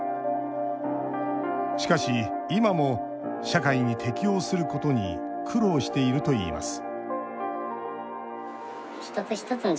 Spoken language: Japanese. しかし今も社会に適応することに苦労しているといいます